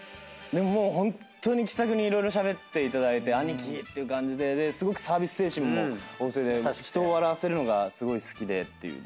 でももうホントに気さくに色々しゃべっていただいてアニキっていう感じですごくサービス精神も旺盛で人を笑わせるのがすごい好きでっていう。